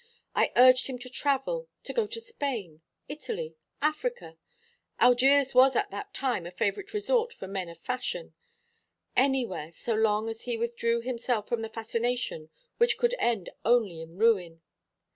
I urged him to travel, to go to Spain, Italy, Africa Algiers was at that time a favourite resort for men of fashion anywhere so long as he withdrew himself from the fascination which could end only in ruin.